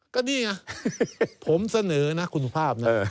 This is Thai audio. ก็นี่ไงผมเสนอนะคุณสุภาพนะ